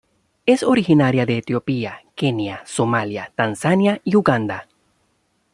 Es originaria de Etiopía, Kenia, Somalia, Tanzania y Uganda.